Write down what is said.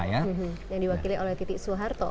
yang diwakili oleh titik soeharto